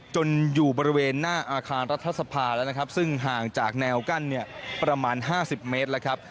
อยู่บริเวณหน้าอาคารรัฐสภาแล้วนะครับซึ่งห่างจากแนวกั้นเนี่ยประมาณ๕๐เมตรแล้วครับ